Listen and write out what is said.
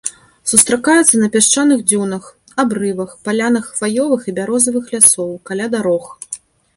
Сустракаецца на пясчаных дзюнах, абрывах, палянах хваёвых і бярозавых лясоў, каля дарог.